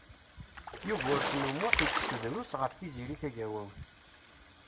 Yugurten U Muḥ itett drus ɣef Tiziri Tagawawt.